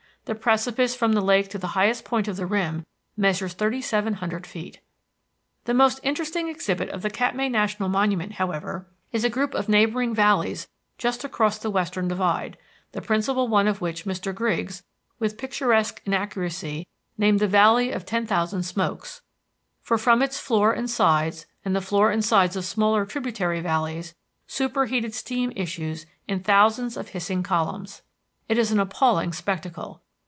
The precipice from the lake to the highest point of the rim measures thirty seven hundred feet. The most interesting exhibit of the Katmai National Monument, however, is a group of neighboring valleys just across the western divide, the principal one of which Mr. Griggs, with picturesque inaccuracy, named the "Valley of Ten Thousand Smokes"; for, from its floor and sides and the floors and sides of smaller tributary valleys, superheated steam issues in thousands of hissing columns. It is an appalling spectacle.